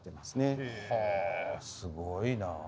すごいな。